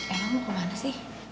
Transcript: eh kamu kemana sih